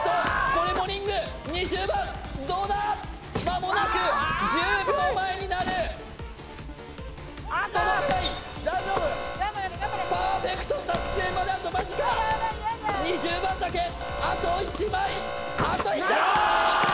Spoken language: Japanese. これもリング２０番どうだまもなく１０秒前になる届かないパーフェクト達成まであと間近２０番だけあと１枚あっといった！